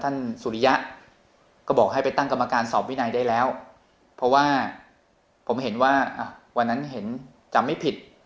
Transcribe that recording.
สุริยะก็บอกให้ไปตั้งกรรมการสอบวินัยได้แล้วเพราะว่าผมเห็นว่าวันนั้นเห็นจำไม่ผิด